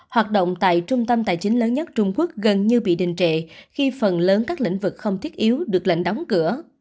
hoạt động tại trung tâm tài chính lớn nhất trung quốc gần như bị đình trệ khi phần lớn các lĩnh vực không thiết yếu được lệnh đóng cửa